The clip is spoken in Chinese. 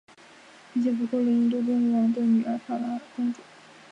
并且俘获了印度公王的女儿法拉公主。